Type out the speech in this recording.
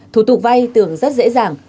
thủ tục vay tưởng rất dễ dàng